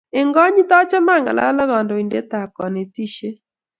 Eng konyiit achame angalal ako kandoindet tab konetishek